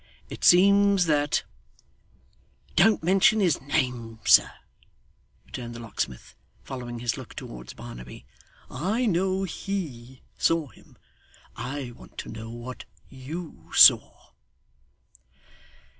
It seems that ' 'Don't mention his name, sir,' returned the locksmith, following his look towards Barnaby; 'I know HE saw him. I want to know what YOU saw.